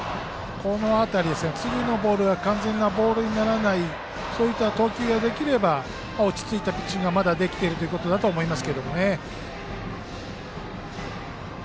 次のボールが完全なボールにならないそういった投球ができれば落ち着いたピッチングがまだ、できているということだと思います。